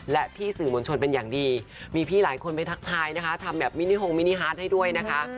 และพี่สื่อมวลชนเป็นอย่างดีมีพี่หลายคนไปทักทายนะคะทำแบบมินิฮงมินิฮาร์ดให้ด้วยนะคะ